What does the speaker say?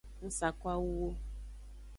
Ng sa ko awuwo.